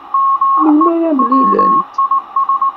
Melmi ara mlilent?